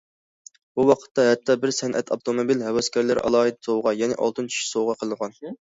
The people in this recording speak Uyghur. بۇ ۋاقىتتا، ھەتتا بىر سەنئەت ئاپتوموبىل ھەۋەسكارى ئالاھىدە سوۋغا، يەنى ئالتۇن چىش سوۋغا قىلغان.